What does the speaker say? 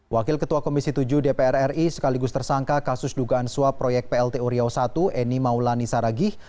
wakil ketua komisi tujuh dpr ri sekaligus tersangka kasus dugaan suap proyek plt uriau i eni maulani saragih